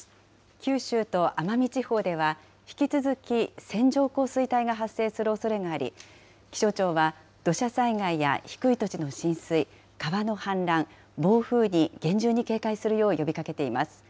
九州と奄美地方では、引き続き線状降水帯が発生するおそれがあり、気象庁は土砂災害や低い土地の浸水、川の氾濫、暴風に厳重に警戒するよう呼びかけています。